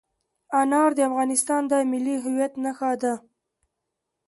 انار د افغانستان د ملي هویت نښه ده.